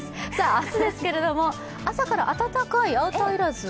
明日ですけれども、朝から暖かいアウター要らず。